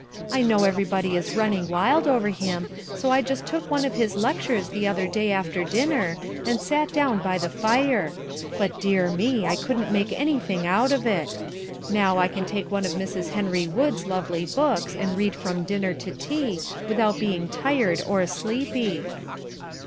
I know everybody is running wild over him, so I just took one of his lectures the other day after dinner, and sat down by the fire. But dear me! I couldn't make anything out of it. Now, I can take one of Mrs. Henry Wood's lovely books and read from dinner to tea, without being tired or sleepy."